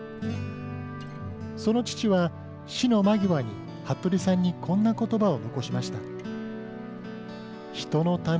その父は、死の間際に服部さんにこんな言葉を残しました。